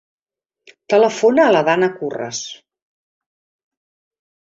Telefona a la Dana Curras.